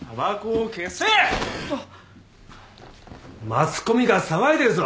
マスコミが騒いでるぞ。